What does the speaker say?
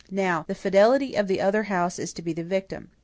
Now, the fidelity of the other House is to be the victim.